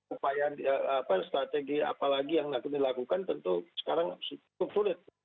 upaya apa yang strategi apa lagi yang lakukan tentu sekarang cukup sulit